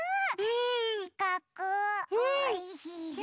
しかくおいしそう！